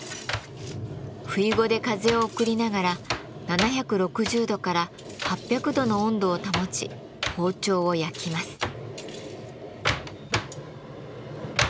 ふいごで風を送りながら７６０度から８００度の温度を保ち包丁を焼きます。